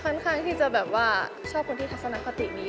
ค่อนข้างที่จะแบบว่าชอบคนที่ทัศนคตินี้